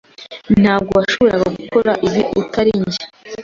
Ntabwo washoboraga gukora ibi utari njye.